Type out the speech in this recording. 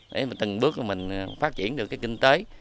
để mà từng bước là mình phát triển được cái kinh tế